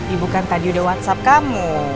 ibu kan tadi udah whatsapp kamu